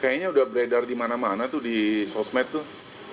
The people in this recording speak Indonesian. kayaknya udah beredar dimana mana tuh di sosmed tuh